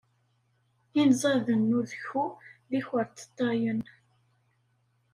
Inẓaden n udku d ikerṭeṭṭayen.